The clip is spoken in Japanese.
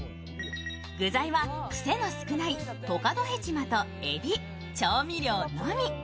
具材は癖が少ないトカドヘチマとえび、調味料のみ。